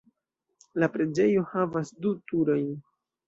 La preĝejo havas du turojn.